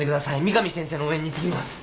三上先生の応援に行ってきます。